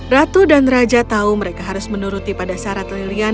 ratu dan raja tahu mereka harus menuruti pada syarat lilian